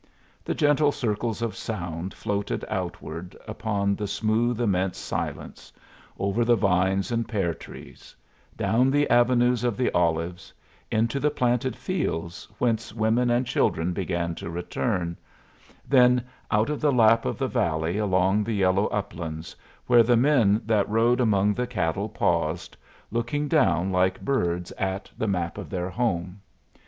The gentle circles of sound floated outward upon the smooth immense silence over the vines and pear trees; down the avenues of the olives; into the planted fields, whence women and children began to return; then out of the lap of the valley along the yellow uplands, where the men that rode among the cattle paused, looking down like birds at the map of their home.